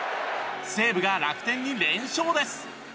西武が楽天に連勝です。